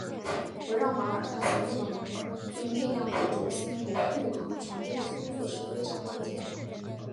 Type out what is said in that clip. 围绕马耳他行动的盟军力量对轴心国的护航船队的封锁是非常关键的。